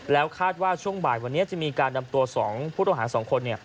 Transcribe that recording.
แล้วคาดว่าช่วงบ่ายวันนี้จะมีการนำตัว๒ผู้ต้องหา๒คน